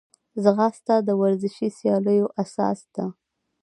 ځغاسته د ورزشي سیالیو اساس ده